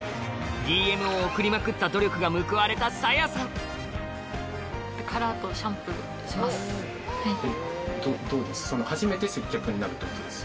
ＤＭを送りまくった努力が報われた紗弥さんします。